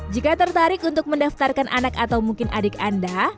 jika tertarik untuk mendaftarkan anak atau mungkin adik anda